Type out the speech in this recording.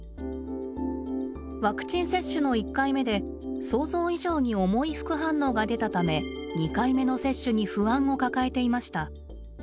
ワクチン接種の１回目で想像以上に重い副反応が出たため２回目の接種に不安を抱えていました。